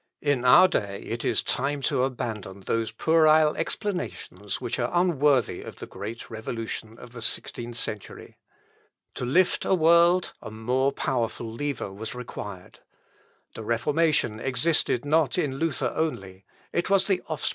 In our day it is time to abandon those puerile explanations which are unworthy of the great revolution of the sixteenth century. To lift a world, a more powerful lever was required. The Reformation existed not in Luther only; it was the offspring of his age.